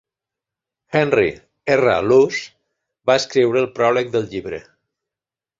Henry R. Luce va escriure el pròleg del llibre.